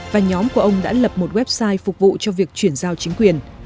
và nhóm của ông đã lập một website phục vụ cho việc chuyển giao chính quyền